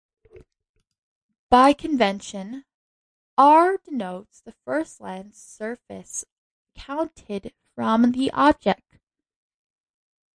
By convention, R denotes the first lens surface counted from the object.